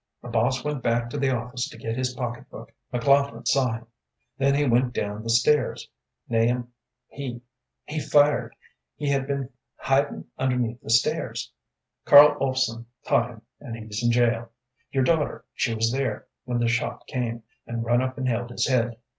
The boss went back to the office to get his pocketbook; McLaughlin saw him; then he went down the stairs; Nahum, he he fired; he had been hidin' underneath the stairs. Carl Olfsen caught him, and he's in jail. Your daughter she was there when the shot came, and run up and held his head.